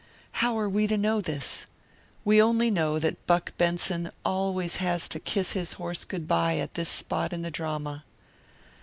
How are we to know this? We only know that Buck Benson always has to kiss his horse good by at this spot in the drama.